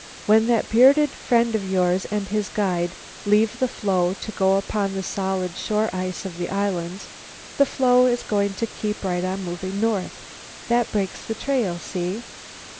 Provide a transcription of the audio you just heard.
When that bearded friend of yours and his guide leave the floe to go upon the solid shore ice of the islands, the floe is going to keep right on moving north. That breaks the trail, see?